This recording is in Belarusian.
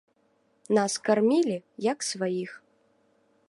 Нас кармілі, як сваіх.